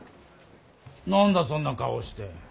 何だそんな顔をして。